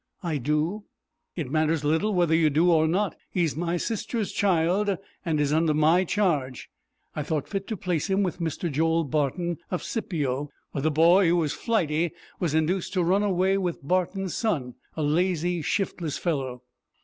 "I do." "It matters little whether you do or not. He is my sister's child, and is under my charge. I thought fit to place him with Mr. Joel Barton, of Scipio, but the boy, who is flighty, was induced to run away with Barton's son, a lazy, shiftless fellow."